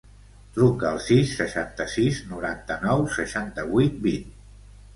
Truca al sis, seixanta-sis, noranta-nou, seixanta-vuit, vint.